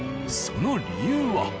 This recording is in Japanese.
その理由は。